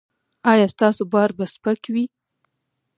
ایا ستاسو بار به سپک وي؟